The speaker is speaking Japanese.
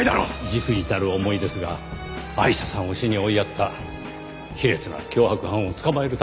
忸怩たる思いですがアイシャさんを死に追いやった卑劣な脅迫犯を捕まえるためです。